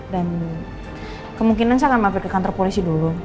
dan kemungkinan saya akan mampir ke kantor polisi dulu